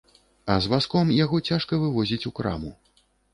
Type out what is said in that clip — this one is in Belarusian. А з вазком яго цяжка вывозіць у краму.